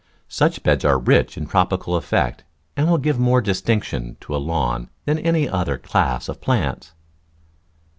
Such beds are rich in tropical effects and give more distinction to a lawn than any other class of plants.